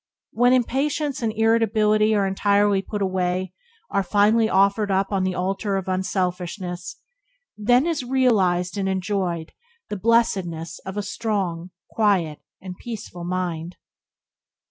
When impatience and irritability are entirely put away, are finally offered up on the altar of unselfishness, then is realized and enjoyed the blessedness of a strong, quiet, and peaceful mind.